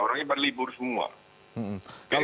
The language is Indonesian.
orangnya berlibur semua